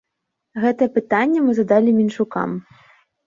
Гэтыя пытанні мы задалі менчукам.